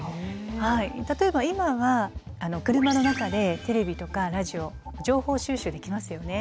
例えば今は車の中でテレビとかラジオ情報収集できますよね。